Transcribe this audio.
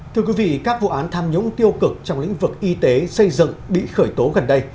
thưa quý vị các vụ án tham nhũng tiêu cực trong lĩnh vực y tế xây dựng bị khởi tố gần đây